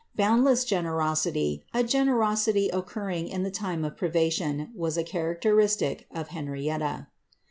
Boundless generosity — a generosity occu^ ring in the time of privation, was a characteristic of Henrietta.